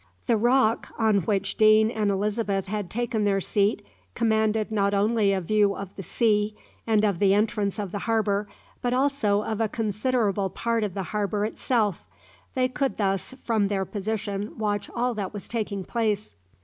The lock on which Deane and Elizabeth had taken their seat commanded not only a view of the sea, and of the entrance of the harbour, but also of a considerable part of the harbour itself. They could thus from their position watch all that was taking place.